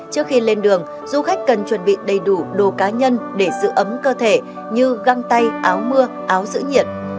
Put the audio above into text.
trước khi lên đường du khách cần chuẩn bị đầy đủ đồ cá nhân để giữ ấm cơ thể như găng tay áo mưa áo giữ nhiệt